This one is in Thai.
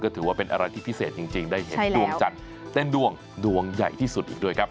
ถือว่าเป็นอะไรที่พิเศษจริงได้เห็นดวงจันทร์เต้นดวงดวงใหญ่ที่สุดอีกด้วยครับ